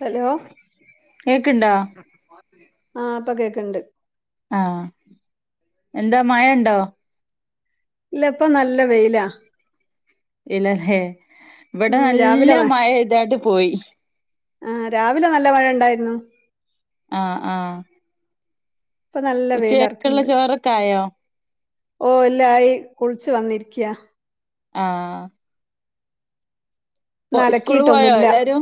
Hello കേക്ക്ണ്ടോ ആഹ് ഇപ്പൊ കേക്കണ്ട്. ആഹ് എന്താ മയൊണ്ടോ? ഇല്ല ഇപ്പ നല്ല വെയിലാ. ഇല്ലല്ലേ, ഇവിടെ ഉം നല്ല രാവിലെ ന മയ പെയ്താണ്ട് പോയി. ആഹ് രാവിലെ നല്ല മഴയുണ്ടാരുന്നു. ആഹ് ആഹ് ഇപ്പൊ നല്ല ഉച്ചയക്കുള്ള ചോറൊക്കെ ആയോ? ഓഹ് എല്ലായി കുളിച്ചു വന്നിരിക്കയാ. ആഹ് പ്പോ ഇന്ന് ഉസ്കൂളില് പോയോ അലക്കിയിട്ടൊന്നുല്ല എല്ലാരും?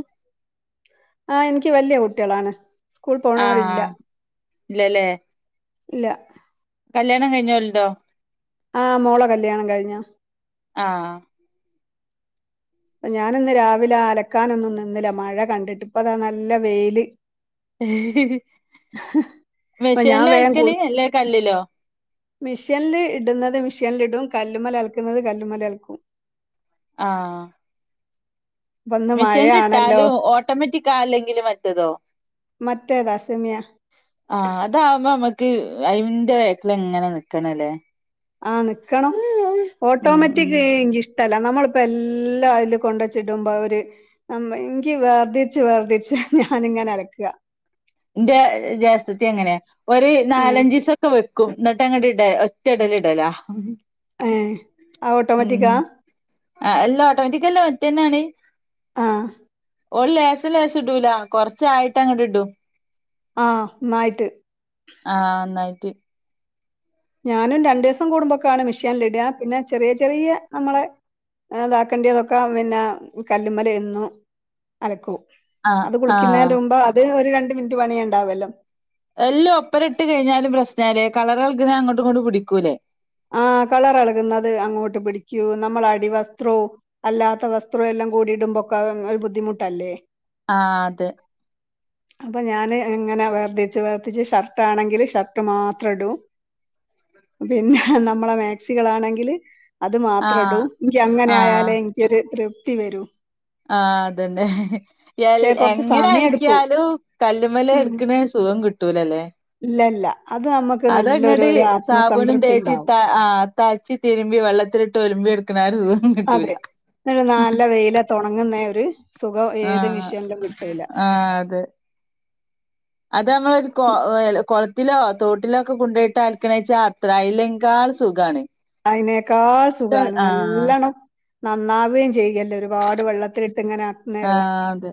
ആഹ് എനിക്ക് വല്യ കുട്ടികളാണ്, സ്കൂള് പോണോരില്ല. ആഹ് ഇല്ലല്ലേ ഇല്ല. കല്യാണം കഴിഞ്ഞോലുണ്ടോ? ആഹ് മോള കല്യാണം കഴിഞ്ഞ? ആഹ് ഞാന ഇന്ന് രാവിലെ അലക്കാനൊന്നും നിന്നില്ല മഴ കണ്ടിട്ട് ഇപ്പ അതാ നല്ല വെയില്. അപ്പൊ ഞാൻ മെഷീനില അലക്കല് അല്ലേ കല്ലിലോ? മിഷീനിൽ ഇടുന്നത് മിഷീനൽ ഇടും കല്ലുമല അലക്കുന്നത് കല്ലല്മലും അലക്കും. ആഹ്. ഇപ്പ ഇന്ന് മഴയാണല്ലോ മെഷീനിലിട്ടാലും ഓട്ടോമാറ്റിക് ആല്ലെങ്കിലും മറ്റതോ? മറ്റേതാ സെമിയ ആഹ് അതാവുമ്പോ നമ്മക്ക് അയിന്റെ വേക്കൽ എങ്ങനെ നക്കണ അല്ലേ? ആഹ് നിക്കണം ഉം ഉം ഓട്ടോമാറ്റിക് ഇൻക്ക്ഷ് ട്ടല്ല നമ്മളിപ്പ എല്ലാം അതില് കൊണ്ടുവെച്ചിട്ട് ഇടുമ്പോ അഹൊര് അമ്മ എങ്കി വേർദിച്ച് വേർദിച്ച് ഞാനിങ്ങനെ അലക്ക ഇന്റെജേഷ്ട്ടത്തി അങ്ങനെഒര് ആഹ് നാലഞ്ചിസം സം വെക്കും ന്നട്ട് അങ്ങട് ഇട ഒറ്റഇടല് ഇടല. ഏഹ് ആഹ് ഉം ഓട്ടോമാറ്റിക്കാ എല്ലാ ഓട്ടോമാറ്റിക്കല്ലമറ്റേന്നാണ്. ആഹ് ഓൾ ലേശം ലേശംഇടൂല കുറച്ചായിട്ട് അങ്ങട്ട്ഇടും. ആഹ് ന്നായിട്ട്. ആഹ് ഒന്നായ്റ്റ് ഞാനുംരണ്ടുദിസം കൂടുമ്പോക്കെയാണ് മിഷ്യനില് ഇടാ പിന്നെചെറിയ, ചെറിയ ന്നമ്മളെ അതാക്കേണ്ടിതൊക്കെ പിന്നെ കല്ലുമ്മലേന്നു അലക്കും. ആഹ് അത് ആഹ് കുളിക്കുന്നതെന്റെ അത് ഒര് രണ്ട് മിനിറ്റ് പണിയേഇണ്ടാവല്ലോ? എല്ലോം ഒപ്പരഇട്ട് കഴിഞ്ഞാലും പ്രശ്നലേ കളർഅൾക്നെ അങ്ങോട്ടുംങ്ങോട്ട് പിടിക്കൂലേ? ആഹ് കളർളകുന്നത് അങ്ങോട്ട്പിടിക്കൂ ന്നമ്മളെ അടിവസ്ത്രോം. അല്ലാത്ത വസ്ത്രോം എല്ലാം കൂടിടുമ്പൊക്കെഅഹ് ഒര്ബുദ്ധിമുട്ടല്ലേ? ആഹ് അതെ അപ്പഞാന് ഇങ്ങനെ വേർതിരിച്ച് വേർതിരിച്ച് ഷർട്ടാണെങ്കിൽ ഷർട്ട് മാത്രംഇടും പിന്നെന്നമ്മളെ മാക്സികളാണെങ്കില് അത് ആഹ് മാത്രഇടൂ ഇൻക്ക് അങ്ങനെ ആഹ് ആയാലേ ക്കൊരു തൃപ്തിവെരു. ആഹ് അതെന്നെ. എൽ പക്ഷെ കുറച്ച് സമയം എടുക്കും എങ്ങനെഅലക്കിയാലും കല്ലുമ്മല് എടുക്ക്ണേ സുഖംകിട്ടൂലലേ? ഇല്ലല്ല അത് ന്നമ്മുക്ക് നല്ലൊരു രു സാബൂണും ആത്മസംതൃപ്തി തേച്ച് ത ഉണ്ടാവും ആഹ് തച്ച്തിരുമ്പി വെള്ളത്തിലിട്ട് ഒലുമ്പിട്ക്ക്ണേ ആഒരുസുഖം അതെന്നട്ട് ന്നല്ലേവെയ്ലത്ത് ഒണങ്ങുന്നേഒര് സുഖം ഏത് ആഹ് മിഷേനിലുംകിട്ടൂല. ആഹ് അതെ അത് അമ്മൾ ഒരു കുളത്തിലോ തോട്ടിലോഒക്കെ കൊണ്ടോയിട്ട് അൽക്ക്ണേവെച്ചാ അത്രായില്ലെങ്കാൾ സുഖാണ്. അയ്നേക്കാൾ സുഖാണ് ആഹ് ന്നല്ലെണ്ണം നന്നാവേം ചെയ്യല്ലേ ഒരുപാട് വെള്ളത്തിലിട്ട് ഇങ്ങനെ ആക്കുന്നേരോ ആഹ് അതെ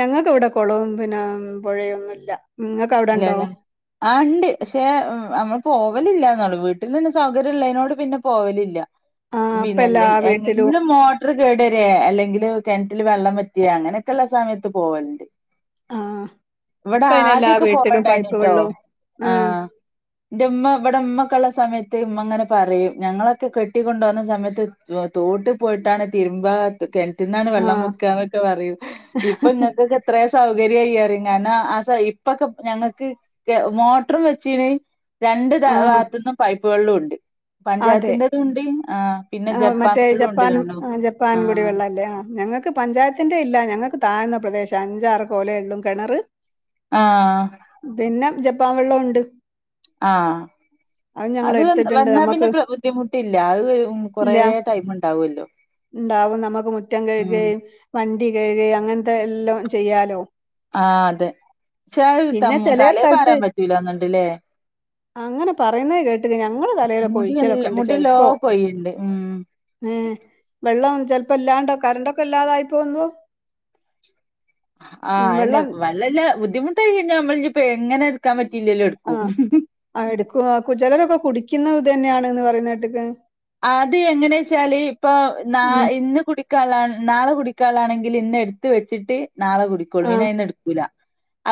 ഞങ്ങൾക്ക് ഇവടെ കൊളവും പിന്നെ പുഴയൊന്നുല്ല നിങ്ങക്ക് അവിടെഇണ്ടോ? ഇല്ലല്ലേ ആഹ് ഉണ്ട് പക്ഷേഅമ്മള് പോവലില്ല എന്നുള്ളു വീട്ടിലെന്നെ സൗകര്യംള്ളതിനോട് പിന്നെപോവലില്ല. ആ ഇപ്പൊ എല്ലാ പിന്നെന്തി എങ് വീട്ടിലും ഇന്ന്മോ ട്ട്റ് കേടരെ അല്ലെങ്കില് കെണ്റ്റിൽ വെള്ളംവറ്റിയേ അങ്ങനെയൊക്കെഉള്ള സമയത്ത്പോവലുണ്ട്. ആ ഇപ്പൊ അതിന് എല്ലാ ഇവടെആദ്യൊക്കെ വീട്ടിലും പൈപ്പ് പോവണ്ടായിന്നിട്ടോ വെള്ളവും ഉം, ആഹ് ഇന്റെ ഉമ്മ ഇവിടെഉമ്മക്കള്ള സമയത്ത് ഉമ്മഅങ്ങനെ പറയും ഞങ്ങളൊക്കെ കെട്ടിക്കൊണ്ടോന്ന സമയത്ത് ജോ തോട്ട്പോയിട്ടാണ് തിരുമ്പ കെണ് റ്റ്ന്നാണ് ആ വെള്ളം മുക്കന്നൊക്കെ പറയും ഇപ്പൊനിഞകൊക്കെ എത്ര സൗകര്യയിഅറി ഞാനാ അസ ഇപ്പൊക്കെ ഞങ്ങൾക്ക് കെ മോട്ട്റും വെച്ച്ണ് രണ്ട് ത ആ ഭാഗത്ന്നും പൈപ് വെള്ളൊണ്ട്. പഞ്ചായത്തിന്റെതൂണ്ട്ആഹ് ആഹ് മറ്റേ ജെപ്പാ ആഹ് ജെപ്പാൻ കൂടി ആഹ് വെള്ളല്ലേ ആഹ് ഞങ്ങൾക്ക് പഞ്ചായത്തിന്റെ ഇല്ല ഞങ്ങക്ക് താഴ്ന്ന പ്രദേശാ അഞ്ചാറ് കോലേള്ളൂ കെണെറ് ആഹ് പിന്നെ ജെപ്പാൻ വെള്ളോണ്ട്. ആഹ് അത് വന് എടുത്തിട്ടുണ്ട് വെന്നാ പിന്നെ നമുക്ക് പ്ര ബുദ്ധിമുട്ടില്ല അയ് ഉം കൊറേ ഇല്ല ടൈം ഉണ്ടാവുമല്ലോ ഇണ്ടാവുംന്നമ്മക്ക് മുറ്റം ഉം കഴുകേ വണ്ടി കഴ്കേ അങ്ങൻത്തെ എല്ലൊം ചെയ്യാലോ ആഹ് അതെ ചേ തം പിന്നെ ചില തലേ സ്ഥലത്ത് പാരാൻ പറ്റൂലാന്നിണ്ട്ല്ലേ അങ്ങനെ പറയുന്നെ കേട്ടിക്ക് ഞങ്ങള് തലെലൊക്കെ മുടിയെല്ല ഒയിക്കലൊക്കെണ്ട് മുടിയെല്ലോം ചെൽപ്പോ കൊഴിയ്ണ്ട് ഉം ഏഹ് വെള്ളം ചെൽപ്പല്ലാണ്ട് കർണ്ടൊക്കെ ഇല്ലാതൊയിപ്പോമ്പോ ആഹ് അയന്നെ വെള്ളം വള്ളല്ല ബുദ്ധിമുട്ടായി കയ്ഞ്ഞ ഞമ്മൾ ഇഞ്ഞിപ്പ എങ്ങനെ ക്കാൻ പറ്റില്ലേലും എട്ക്കും ആഹ് ആഹ് എടുക്കും ആക്കും ചെലെരൊക്കെ കുടിക്കുന്ന ഇതെന്ന്യാണന്ന് പറയ്ന്നേട്ടിക്ക് ആത് എങ്ങെനേച്ചാല് ഇപ്പോ ന്നാ ഉം ഇന്ന് കുടി ക്കാള്ളാ നാളെ കുടിക്കാള്ളാണെങ്കിൽ ഇന്ന് എട്ത് വെച്ചിട്ട് നാളെകുടി കൊള്ളു പിന്നെ ആഹ് അയ്‌ന്ന് ഇട്ക്കൂല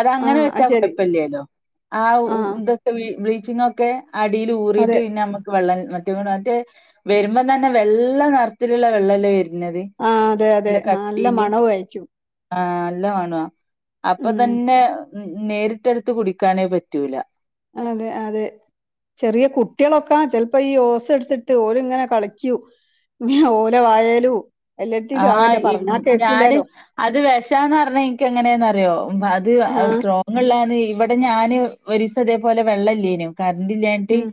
അതങ്ങനെ ആഹ് അത് ശരി വെച്ചാകൊയ്പ്പല്ല്യേലോ ആ വു ആഹ് ന്ത് ബ്ലീച്ചിങ്ങൊക്കെ അടീൽ ഊറീട്ട് അതെ പിന്നമ്മക്ക് വെള്ളം മറ്റ മറ്റേ വെരുമ്പം തന്നെ വെള്ള നെർത്തിലിള്ള വെള്ളല്ലേ വെര്നത് ആഹ് അതെ അതെ നല്ല നല്ല കട്ടീല് മണവു ആയിരിക്കും ആഹ് ല്ല മണുവാ അപ്പൊ ഉം തന്നെ നേരിട്ടെടുത്ത് കുടിക്കാനേ പറ്റൂല അതെ അതെ ചെറിയെ കുട്ട്യളൊക്ക ചെൽപ്പൊ ഈ ഓസെട്ത്തിട്ട് ഓരിങ്ങനെ കളിക്കൂ ഓലെ വായേലു ആഹ് ഇ ഞാന് അത് വിഷാന്നർഞ്ഞെ ഇൻക്ക് എങ്ങനേന്നറിയോ അത് ഏഹ് ആഹ് സ്ട്രോ അങ്ങള്ളേന്ന് ഇവിടെ ഞാന് ഒരീസെ ഇതേപോലെ വെള്ളെല്ല്യേനു കര്ന്റില്ല്യാഞ്ട്ട് ഉം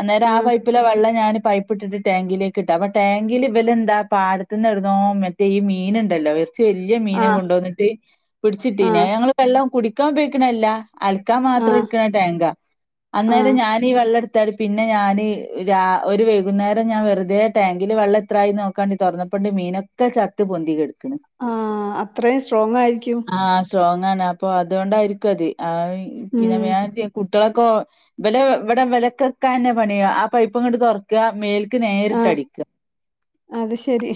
അന്നേരം ആ ആഹ് പൈ പ്പിലെ വെള്ള ഞാന് പൈപ്പിട്ടിട്ട് ടാങ്കിലേക്ക് ഇട്ട് അപ്പ ടാങ്കില് ഇവെലെന്താ പാടത്തിന്നിട് നോ മറ്റേ ഈ മീനിണ്ടല്ലോ വേസ് ചെല്ല്യെ മീനെ ആഹ് കൊണ്ടോന്നിട്ട് പിട്ച്ചിട്ടീനി അ ആഹ് ഞങ്ങള് വെള്ളം കുടിക്കാൻ ഉപയ്ഗിക്കിണല്ല അൽക്കാമാത്രം ആഹ് ഇക്ക്ണ ടാങ്കാ ആഹ് അന്നേരം ഞാൻ ഈ വെള്ളെട് ത്തട് പിന്നെ ഞാന് രാ ഒരു വൈകുന്നേരം ഞാൻ വെറുതേ ടാങ്കില് വെള്ളെത്രായി നോക്കാണ്ടി തൊർന്നപ്പണ്ട് മീനൊ ക്കെ ചത്ത് പൊന്തി കെട്ക്കിണ് ആഹ് അത്രേം സ്ട്രോങ് ആയിര്ക്കും ആഹ് സ്ട്രോങ്ങാണ് അപ്പൊ അതൊണ്ടായിരിക്കും അത് ആയ് പിന്നെ ഉം വേ കുട്ട്യാളൊക്കോ ഇവലെ ഇവടെ ഇവലക്കക്കാന്നെ പണി ആഹ് പൈപ്പിങ്ങട്ട് തൊർക്ക മേൽ ക്ക് നേരിട്ട് ആഹ് അടിക്ക അത് ശരി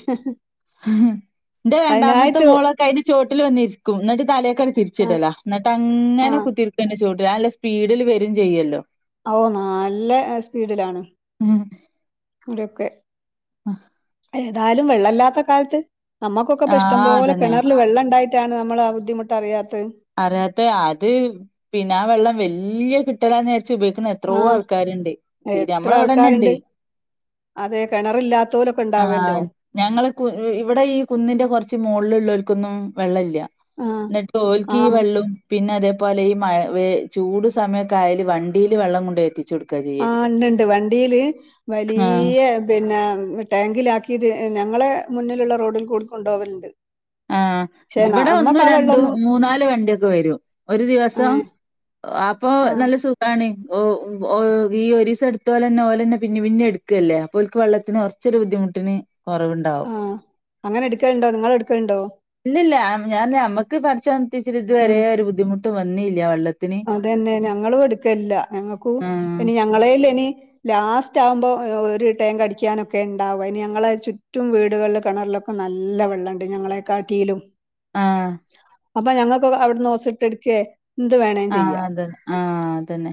ന്റെ രണ്ടാമത്തെ അതിനായിട്ട് മോളൊക്കെ അയ്ന്റെ ചോട്ടില് വന്നിരിക്കും ഇന്നിട്ട് തലേ ക്കണ് ആഹ് തിരിച്ചിടിലാ ഇന്നിട്ടങ്ങനെ ആഹ് കുത്തിര്ക്കും അൻ്റെ ചോട്ടിൽ ആല്ല സ്പീഡിൽ വരും ചെയ്യല്ലോ ഓഹ് നാല്ല എഹ് സ്പീഡിലാണ് ഇതൊക്കെ ഏതായ്ലും വെള്ളെല്ലാത്ത കാൽത്ത് നമ്മക്കൊക്കെ ഇപ്പ ആഹ് ഇഷ്ടംപോലെ അതന്നെ കെണർല് വെള്ളെണ്ടായ് ട്ടാണ് നമ്മള് ആഹ് ബുദ്ധിമുട്ടറിയാത്ത് അറിയാത്തെ അത് പിന്നാ വെള്ളം വെല്ല്യെ കിട്ടലാ നേരാച്ച ഉപയ്ക്കിന്നെ ത്രോ ആഹ് ആൾക്കാരിണ്ട് സ്ഥിര അമ്മളെവ്ടെന്നെണ്ട് അതേ കെണറില്ലാത്തോലൊക്കെ ഈണ്ടാവല്ലോ ആഹ് ഞങ്ങള് കു ഇ ഇവ്ടെ ഈ കുന്നിന്റെ കൊർച്ച് മോള്ള് ഇള്ളോൽക്കൊന്നും വെള്ളെല്ല്യ ആഹ് ഇന്നിട്ടോൽ ആഹ് ലും പിന്നെ അതേപോലെ ഈ മയ വേ ചൂട് സമയക്കായല് വണ്ടീല് വെള്ളം കൊണ്ടൊയെത്തി ആഹ് ഇണ്ടിണ്ട് വണ്ടീല് ആഹ് വലീയ്യെ പിന്നെ ടാങ്കിലാക്കിത് ഞങ്ങളെ മുന്നിലുള്ള റോഡിൽ കൂടി കൊണ്ടോവൽണ്ട് ആഹ് ഇവിടെ ഒന്നും രണ്ടു വെള്ളൊന്നും മൂന്നാല് വണ്ടിയൊക്കെ വരൂ ഒരു ദിവസം ഏഹ് അപ്പൊ ആഹ് നല്ല സു ഖാണ് ഓഹ് ഓഹ് ഈ ഒരീസംടുത്തോലെന്നെ ഓലന്നെ പിന്നെ പിന്നെ എടുക്കല്ലേ അപ്പോ ഓൽക്ക് വെള്ളത്തിനോർ ഇച്ചരി ബുദ്ധിമുട്ടിന് കുറവുണ്ടാവും അഹ് അങ്ങനെ എടുക്കേണ്ടോ ക്കാനുണ്ടോ നിങ്ങളടുക്കേണ്ടോ ഇല്ലല്ല ഞാൻഞമ്മുക്ക് പടച്ചോൻത്തിച്ചു ഉം ഇതുവരെ ഒരു ബുദ്ധിമുട്ട് വന്നില്ല വെള്ള അതന്നെ ഞങ്ങളും എടുക്കല്ല ഞങ്ങക്കും ആഹ് ഇനി ഞങ്ങളേല ഇനി ലാസ്റ്റ് ആഉമ്പോ ഒരു ടാങ്കടിക്കാനൊക്കെ ഉണ്ടാവും ഇനി ഞങ്ങളെ ചുറ്റും വീടുകളിൽ കിണറിലൊ നല്ല വെള്ളണ്ട് ഞങ്ങളെ കാട്ടിലും ആഹ് അപ്പൊ ഞങ്ങക്ക് അവിടുന്ന് ഓസ്ട്ട എടുക്കേ എന്ത്‌ വേണേ ആഹ് അത ആഹ് അതന്നെ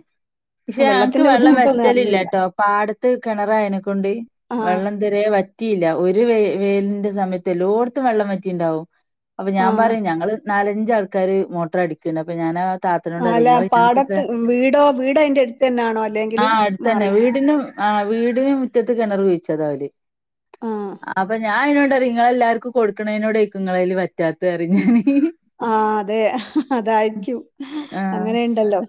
പക്ഷെ ഞൻക്ക് വെള്ളത്തിന്റെ വെള്ളം ബുദ്ധിമുട്ടൊന്നും വെറ്റലില്ല അറിഞ്ഞില്ല ട്ടോ പാടത്ത് കിണറായനെക്കൊണ്ട് ആഹ് വെള്ളം തെരെ വറ്റിയില്ല ഒരു വെ വേലിന്റെ സമയത്ത് എല്ലോട്ത്തും വെള്ളം വറ്റിണ്ടാവും അപ്പൊ ഞാൻ ആഹ് പറയും ഞങ്ങള് നാലഞ്ച ആൾക്കാാര് മോട്ടർ അടിക്ണ്ട് അപ്പൊ ഞാനാ ത്തനോടറിം അല്ല ഇങ്ങള് ഞങക്കൊക്കെ പാടത്ത് വീടോ വീട് അയിന്റെ അടുത്ത് തന്നെയാണോ അല്ലെങ്കില് ആഹ് അടുത്തന്നെ മാറി വീടിനും ആഹ് വീടിന് മുറ്റത്ത് കിണർ കുഴിച്ചത ഓല് ആഹ് അപ്പൊ ഞാൻ അയ്നോടുറി ങ്ങളെല്ലാർക്കും കൊടുക്കണയ്നോടക്കും ങ്ങളേല് വറ്റാത്തറിം ഞ്ഞാന് ആഹ് അതെ അതായിരിക്കും ആഹ് അങ്ങനെയുണ്ടല്ലോ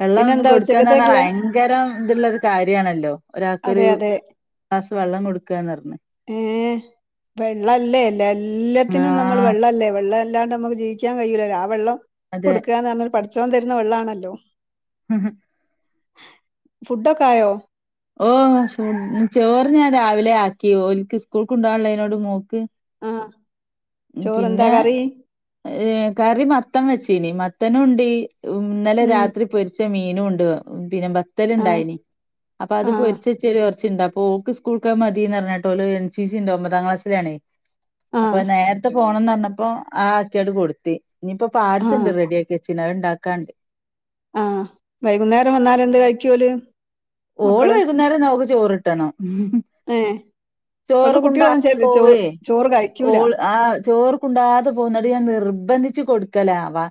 വെള്ളം പിന്നെന്താ കൊടുക്കന്ന പറഞ്ഞാ ഉച്ചക്കത്തേക്കുള്ളെ ഭയങ്കരം ഇതള്ളരു കാര്യണല്ലോ ഒരാൾക്കൊരു അതെ അതെ ഗ്ലാസ്സ് വെള്ളം കൊടുക്കന്നർഞഹ് ഏഹ് വെള്ളല്ലേ അല്ലേ എല്ലാത്തിനും നമ്മൾ ആഹ് വെള്ളല്ലേ വെള്ള ല്ലാണ്ട് നമുക്ക് ജീവിക്കാൻ കഴയൂലല്ലോ ആ വെള്ളം അതെ കൊടുക്കന്ന് പറഞ്ഞാൽ പടച്ചോൻ തരുന്ന വെള്ളണല്ലോ ഉ ഉം ഫുഡൊക്കെ ആയോ ഓഹ് ചേറ് ഞാൻ രാവിലെ ആക്കി ഒക്ക് സ്കൂൾക്ക്ണ്ടോള്ളത് കൊണ്ട് അതിനോട് മോക്ക് ആഹ് ഉം ചോറെന്താ പിന്നെ കറി കറി മത്തം വെച്ചീനി മത്തനുണ്ട് ഇന്നലെ ഉം രാത്രി പൊരി ച്ച മീനും ഉണ്ട് പിന്നെ ബെത്തൽ ആഹ് ണ്ടായിനി അപ്പൊ അത് ആഹ് പൊരിച്ചച്ചയ്ല് കൊർ ച്ണ്ടഅപ്പോ ഓക്ക് സ്കൂൾക്കഹ് മതീന്ന് ർഞേട്ടോ ഓള് എൻ സി ഉണ്ട് ഒമ്പതാം ക്ലാസിലണേ അപ്പൊ ആഹ് നേരത്തെ പോണംന്ന് പറഞ്ഞപ്പോ ആ ആക്ക്യാട് കൊടുത്തി ഇനിയിപ്പോ പാഴ്സ്ണ്ട് ആഹ് റെഡി ആക്കി കച്ചിന് അഹ് ണ്ടാക്കാണ്ട് ആഹ് വൈകുന്നേരം വന്നാലന്ത് കഴിക്കുല് ഓള് വൈകുന്നേരം അവക്ക് ചോറിട്ടണം ഏഹ് ഇപ്പഴത്തെ ചോർക്കുണ്ട കുട്ടികളൊന്നും ചെ ചോ പോവ ചോറ് കഴിക്കൂല ഓൾ ആഹ് ചോർ കുണ്ടാആതെ പോഉ ന്നട്ട് ഞാൻ നിർബന്ധിച്ച് കൊടുക്കലാവാ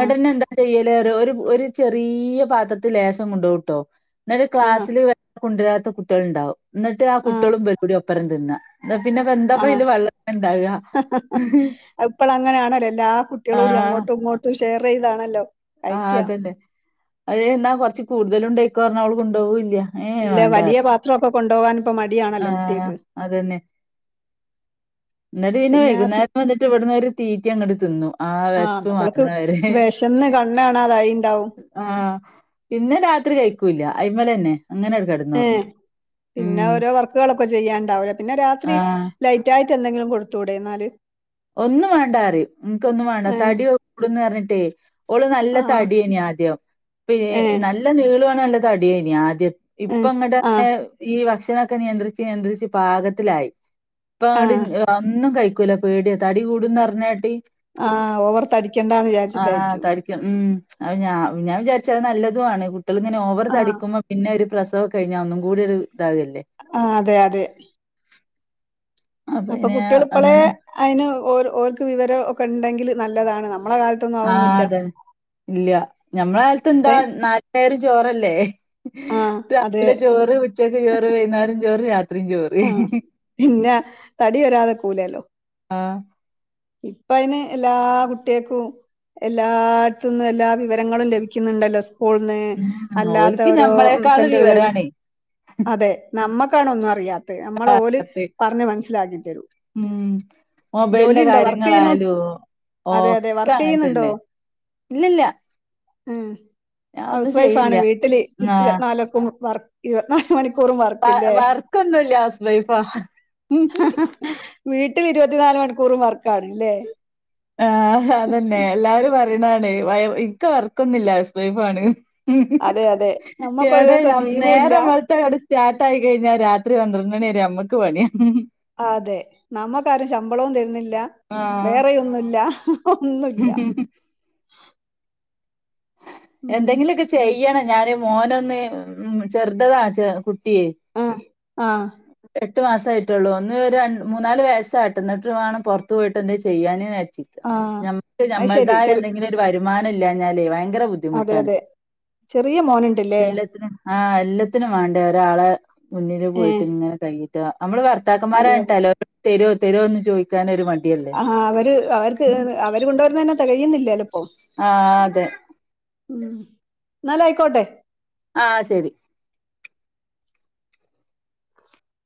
ആഹ് എന്താ ചെയ്യല് ലേറ്യോ ഒരു ഒര് ചെറിയ പാത്രത്തിൽ ലേശം കൊണ്ടോഉട്ടോ എന്നിട്ട് ആഹ് ക്ലാസ്സില് കൊണ്ടുരാത്ത കുട്ടികൾണ്ടാവും എന്നിട്ട് ആ ആഹ് കുട്ടിളും വെല്ടി ഒപ്പരം തിന്ന ന്നാ പിന്നെപ്പ എന്താപ്പ ആഹ് അയില് വെള്ളം ഇണ്ടാക അഹ് ഇപ്പൾ അങ്ങനെയാണല്ലോ എല്ലാ കുട് ട്ട്യളൂടി ആഹ് അങ്ങോട്ടും ഇങ്ങോട്ടും ഷെയർ ചെയ്താണല്ലോ ആഹ് കഴിക്ക അതന്നെ അത് എന്നാ കൊറച്ച് കൂടുതലും ണ്ടായികോ ർഞ്ഞാ ഓള് കൊണ്ടോഉല്ല ഇല്ല വലിയ പാത്ര ഒക്കെ കൊണ്ടോആൻ ഇപ്പോ മടിയണല്ലോ ആഹ് കുട്ട്യേക്ക് എന്നിട്ട് പിന്നെ ആ സ് വൈകുന്നേരം വന്നിട്ട് ഇവിടന്ന് ഒരു തീറ്റി അങ്ങട്ട് തിന്നു ആ വിശ്പ് മാറുന്നവരേ വിഷന്ന് കണ്ണണാതായിണ്ടാവും ആഹ് പിന്ന രാത്രി കഴിക്കൂല്ല അയിമലന്നെ അങ്ങനെട് കടക്കു ഏഹ് പിന്നെ ഓരോ വർക്കുകളൊക്കെ ചെയ്യാണ്ടാവില്ല പിന്നെ രാത്രി ആഹ് ലൈറ്റ് ആയിട്ട് എന്തെങ്കിലും കൊടുത്തൂടെ ന്നാല് ഒന്നും വേണ്ട അറിയും നിനക്ക് ഒന്നും വേണ്ട ഏഹ് തടി കൂടന്ന് പറഞ്ഞിട്ടേ ഓള് നല്ല ആഹ് തടിയേഞ് ആദ്യം പി നല് ഏഹ് നല്ല നീളവാേ നല്ല തടിയനി ആദ്യം ഇപ്പ ഏഹ് ഇങ്ങടെ ആഹ് ഈ ഭക്ഷണംമൊക്കെ നിയന്ത്രിച്ച് നിയന്ത്രിച്ച് പാകത്തിലായി ഇപ്പ അങ്ങട്ട ആഹ് ഒന്നും കഴ ക്കൂല പേടിയ തടി കൂടന്ന്റിഞ്ഞാട്ടി ആഹ് ഓവർ തടി ആഹ തടിക്കും ഉം അ ഞ ഞാൻ വിചാരിച്ചത് നല്ലതുവാണ് മക്കളിങ്ങന ഓവർ ആഹ് തടിക്കുമ്പോൾ പിന്നെ ഒരു പ്രസവം കഴിഞ്ഞാൽ ഒന്നും കൂടി ഒരു ഇതാവകല്ലേ ആ അതെ അതെ അപ്പൊ പിന്നെ കുട്ടികൾ ഇപ്പളെ അങ്ങനെ അയിന് ഓൽ ഓൽക്ക് വിവരം ഒക്കെ ഉണ്ടെങ്കിൽ നല്ലതാണ് നമ്മളെ കാലത്ത് ആഹ് അതെ ഇല്ല ഞമ്മളെ കാലത്ത് ഇപ്പ എന്താ നാട്ടേരും ജോറല്ലേ ആഹ് അതെ രാവിലെ ചോറ് ഉച്ചക്ക് ചോറ് വൈന്നേരം ചോറ് രാത്രിയും ചോറ് ആഹ് പിന്നെ തടി വരാതിരികൂലല്ലോ ആഹ് ഇപ്പയിന് എല്ലാ കുട്ടേൾക്കും. എല്ലായിടത്തുന്നും എല്ലാ വിവരങ്ങളും ലഭിക്കുന്നുണ്ടല്ലോ സ്കൂൾന്ന് ഉം അല്ലാത്ത ഓൽക്ക് ഓരോ ഞമ്മളെക്കാളും സെന്ററുകൾന്ന് വിവരാണേ അതെ നമ്മക്കാണൊന്നും അറിയാ ത്ത് നമ്മളെ ഓല് പത്ത് പറഞ്ഞ് മനസിലാക്കി തരും ഉം മൊബൈലിന്റെ ജോലിണ്ടോ? വർക്കിയ്യുന്നു കാര്യങ്ങളായാലും അതെ അതെ ഒക്കെ അങ്ങനെ വർക്കിയ്യുന്നുണ്ടോ? തന്നെ ഇല്ലല്ല ഉം ഞാൻ ഒന്നും ഹൗസ് വൈഫാണ് ചെയ്യില്ല വീട്ടില് ഇത്തി ആഹ് നാലൊക്ക വർ ഇരുവത്നാല് മണിക്കൂറും വ വർക്ക്ല്ലേ വർക്കൊന്നുല്ല ഹൗസ് വൈഫാ ഹ് ഹ് വീട്ടിൽ ഇരുപത്തിനാല് മണിക്കൂറും വർക്കാണ്ല്ലേ ആഹ് അതന്നെ എല്ലാരും പറയണാണ്യ ഇൻക്ക് വർക്കൊന്നുല്ല ഹൗസ് വൈഫാണ്ന്ന്. അതെ അതെ നമ്മക്കൊരു എടെ ദിവസം ഞാ ലീവും ഇല്ല നേരം വെ ൾത്ത അങ്ങട്ട് സ്റ്റാർട്ടായി കഴിഞ്ഞാൽ രാത്രി പന്ത്രണി വരെ ഞമ്മക്ക് പണിയാ അതെ നമ്മക്കാരും ശമ്പളവും തരുന്നില്ല ആഹ് വേറെയൊന്നുല്ല ഒന്നുല്ല. ഉം എന്തെങ്കിലുമൊക്കെ ചെയ്യണം ഞാൻ മോനൊന്ന് ഉം ചെറുതതാണ് കുട്ടിയെ ആഹ് ആഹ് എട്ട് മാസായിട്ടൊള്ളൂ ഒന്ന് ഒരു ര മൂന്നാല് വയസ്സാകട്ടെ എന്നിട്ട് വേണം പൊറത്ത് പോയിട്ട് എന്തേനും ചെയ്യാന് വിചാരിച്ചി ക്ക ആഹ് നമ്മക്ക് അത് ശെരി നമ്മൾതായ ചെറി എന്തെങ്കിലും ഒരു വരുമാനം ഇല്ലാന്നാലേ വയങ്കര ബുദ്ധി അതെ ബുദ്ധിമുട്ടാണ് അതെ ചെറിയ മോനുണ്ടല്ലേ എല്ലാത്തിനും ആഹ് എല്ലത്തിനും വേണ്ടേ ഒരാളെ മുന്നില് ഏഹ് പോയിട്ടിങ്ങനെ കൈയിട്ടാ നമ്മള് അതെ അതെ ഭർത്താക്കന്മാരായിട്ടല്ലോ തെരോ തെരോന്ന് ചോയി ക്കാനൊരു മടിയാത്. ആഹ് അവര് അവർക്ക് അവര് കൊണ്ടുവരുന്നന്നെ തെകയുന്നില്ലലിപ്പോ ആഹ് അതെ ഉം ന്നാലൈക്കോട്ടെ ആഹ് ശരി